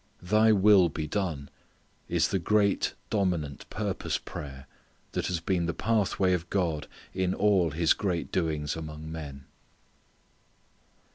"Thy will be done" is the great dominant purpose prayer that has been the pathway of God in all His great doings among men.